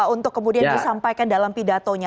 untuk kemudian disampaikan dalam pidatonya